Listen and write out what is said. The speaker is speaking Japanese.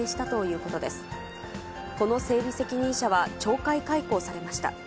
この整備責任者は懲戒解雇されました。